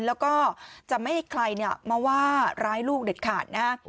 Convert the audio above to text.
แล้วก็จะไม่ให้ใครมาว่าร้ายลูกเด็ดขาดนะฮะ